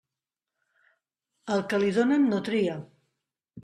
Al que li donen, no tria.